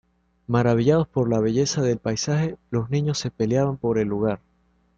Maravillados por la belleza del paisaje, los niños se peleaban por el lugar.